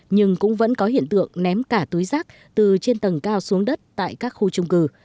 nhưng cũng vẫn có hiện tượng ném cả túi rác từ trên tầng cao xuống đất tại các khu trung cư